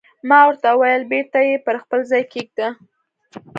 ما ورته وویل: بېرته یې پر خپل ځای کېږده.